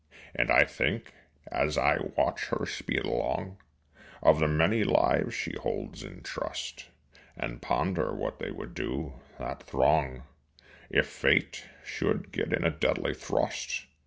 And I think, as I watch her speed along, Of the many lives she holds in trust, And ponder what they would do, that throng, If Fate should get in a deadly thrust.